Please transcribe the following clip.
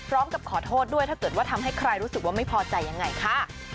พร้อมกับขอโทษด้วยถ้าเกิดว่าทำให้ใครรู้สึกว่าไม่พอใจยังไงค่ะ